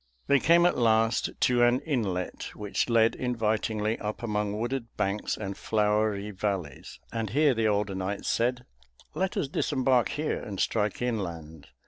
They came at last to an inlet which led invitingly up among wooded banks and flowery valleys, and here the older knight said, "Let us disembark here and strike inland.